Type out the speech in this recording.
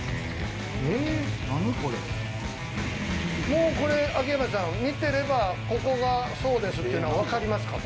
もうこれ秋山さん見てればここがそうですってのは分かりますか？